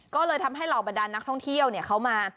ก็เลยทำให้เหล่าบรรดานนักท่องเที่ยวเขามา